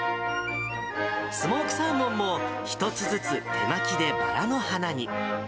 スモークサーモンも、一つずつ手巻きでバラの花に。